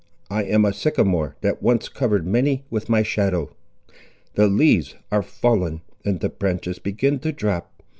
I am a sycamore, that once covered many with my shadow. The leaves are fallen, and the branches begin to drop.